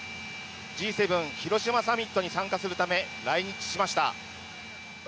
Ｇ７広島サミットに参加するため来日しました。